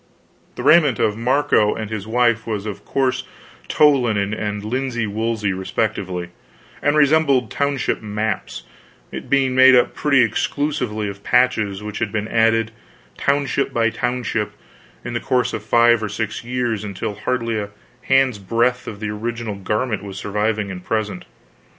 The raiment of Marco and his wife was of coarse tow linen and linsey woolsey respectively, and resembled township maps, it being made up pretty exclusively of patches which had been added, township by township, in the course of five or six years, until hardly a hand's breadth of the original garments was surviving and present.